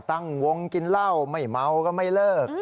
ตั้งวงกินเหล้าไม่เมาก็ไม่เลิก